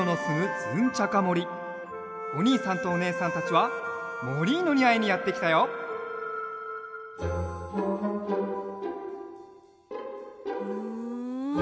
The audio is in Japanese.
おにいさんとおねえさんたちはモリーノにあいにやってきたよん？